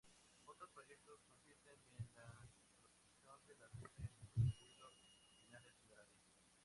Otros proyectos consisten en la protección de las especies en peligro en áreas federales.